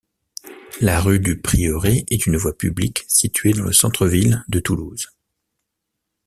La rue du Prieuré est une voie publique située dans le centre-ville de Toulouse.